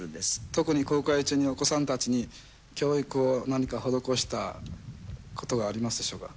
特に航海中にお子さんたちに教育を何か施したことがありますでしょうか。